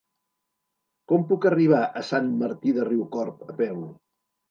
Com puc arribar a Sant Martí de Riucorb a peu?